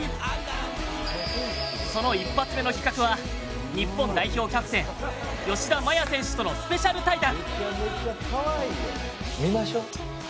その一発目の企画は日本代表キャプテン吉田麻也選手とのスペシャル対談！